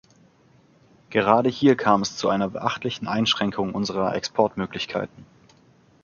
Gerade hier kam es zu einer beachtlichen Einschränkung unserer Exportmöglichkeiten.